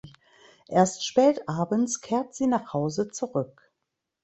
Erst spätabends kehrt sie nach Hause zurück.